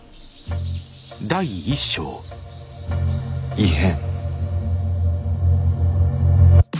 「異変」。